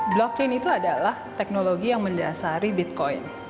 blockchain itu adalah teknologi yang mendasari bitcoin